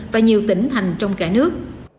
và nhiều tỉnh thành trong cả nước